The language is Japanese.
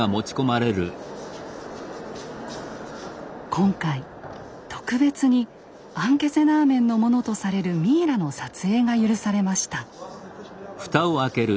今回特別にアンケセナーメンのものとされるミイラの撮影が許されました。